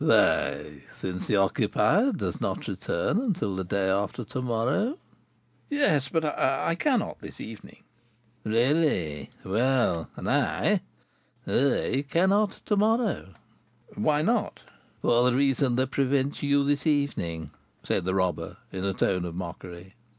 "Why, since the occupier does not return until the day after to morrow?" "Yes, but I I cannot this evening " "Really? Well, and I I cannot to morrow." "Why not?" "For the reason that prevents you this evening," said the robber, in a tone of mockery.